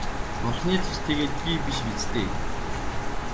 Бурхны цус тэгээд би биш биз дээ.